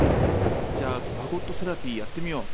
じゃあマゴットセラピーやってみよう。